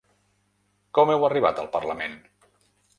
Com heu arribat al parlament?